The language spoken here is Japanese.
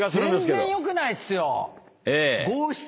全然良くないっすよ！